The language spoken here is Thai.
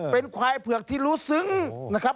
เป็นควายเผือกที่รู้ซึ้งนะครับ